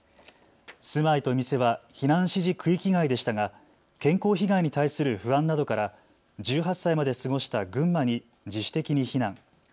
住まいと店は避難指示区域外でしたが健康被害に対する不安などから１８歳まで過ごした群馬に自主的に避難。